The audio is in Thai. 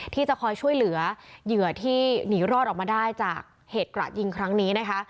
ที่จะคอยช่วยเหลือเหยื่อที่หนีรอดออกมาได้จากเหตุกระยิงครั้งนี้นะคะ